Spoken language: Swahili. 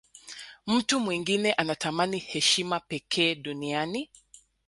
mtu mwingine anatamani heshima pekee duniani